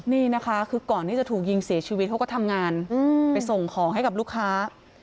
นี่นะคะคือก่อนที่จะถูกยิงเสียชีวิตเขาก็ทำงานไปส่งของให้กับลูกค้า